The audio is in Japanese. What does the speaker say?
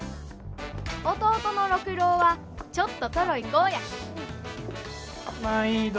弟の六郎はちょっとトロい子やまいど。